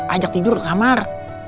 ajak tidur ke kamar